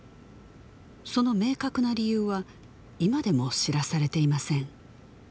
その明確な理由は今でも知らされていません